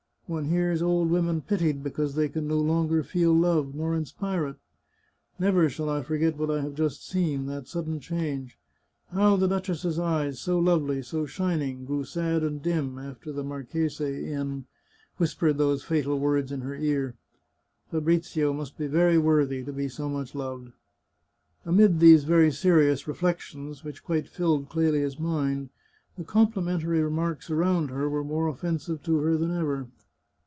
One hears old women pitied because they can no longer feel love nor in spire it. Never shall I forget what I have just seen — that sudden change. How the duchess's eyes, so lovely, so shin ' ing, grew sad and dim after the Marchese N whispered those fatal words in her ear ! Fabrizio must be very worthy to be so much loved." Amid these very serious reflections, which quite filled Clelia's mind, the complimentary remarks around her were more offensive to her than ever.